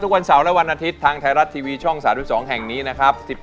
วันเสาร์และวันอาทิตย์ทางไทยรัฐทีวีช่อง๓๒แห่งนี้นะครับ